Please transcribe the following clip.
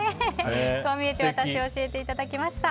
こう見えてワタシ教えていただきました。